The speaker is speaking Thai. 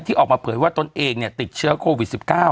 ที่ออกมาเผยว่าตนเองเนี้ยติดเชื้อโควิด๑๙